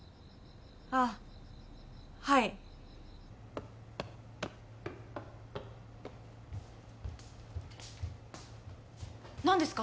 あっはい何ですか？